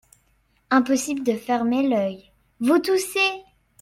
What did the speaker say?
Impossible de fermer l’œil… vous toussez !…